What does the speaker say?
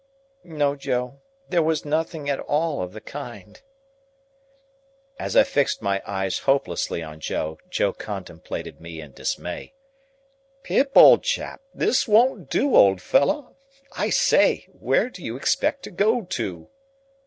"No, Joe, there was nothing at all of the kind." As I fixed my eyes hopelessly on Joe, Joe contemplated me in dismay. "Pip, old chap! This won't do, old fellow! I say! Where do you expect to go to?"